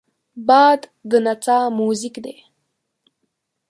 باد د نڅا موزیک دی